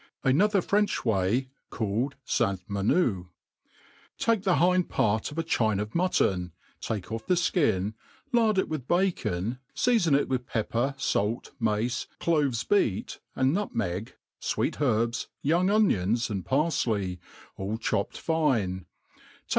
I Another French Way, called St. Menehout. TAKE the hind part of a chine of mutton, take off the fkin,' lard it with bacon, feafbn it with pepper, fait, mace, cloves beat, and nutmeg, fweet herbs, young onions, and parfley^ all chopped fine; take